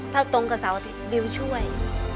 ถ้าตรงกับเสาร์อาทิตย์บิวช่วย